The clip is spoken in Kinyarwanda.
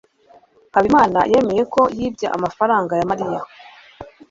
habimana yemeye ko yibye amafaranga ya mariya